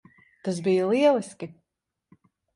Tas bija lieliski.